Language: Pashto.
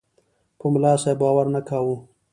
په ملاصاحب باور نه کاوه.